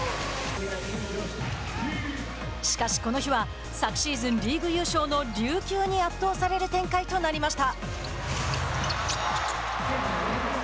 しかし、この日は昨シーズンリーグ優勝の琉球に圧倒される展開となりました。